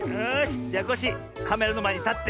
じゃコッシーカメラのまえにたって。